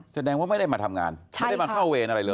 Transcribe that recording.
แสดงว่าไม่ได้มาทำงานไม่ได้มาเข้าเวรอะไรเลย